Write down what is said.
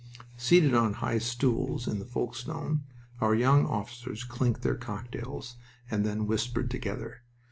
Seated on high stools in the Folkestone, our young officers clinked their cocktails, and then whispered together.